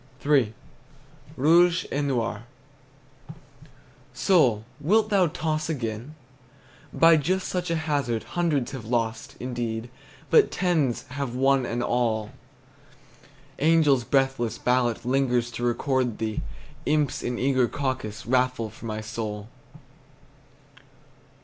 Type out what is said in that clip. III. ROUGE ET NOIR. Soul, wilt thou toss again? By just such a hazard Hundreds have lost, indeed, But tens have won an all. Angels' breathless ballot Lingers to record thee; Imps in eager caucus Raffle for my soul.